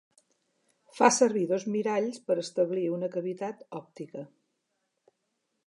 Fa servir dos miralls per establir una cavitat òptica.